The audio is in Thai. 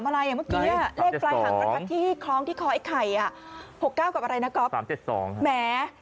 มิฮะ